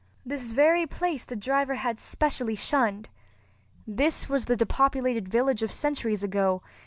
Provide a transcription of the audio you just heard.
This very place the driver had specially shunned. This was the depopulated village of centuries ago.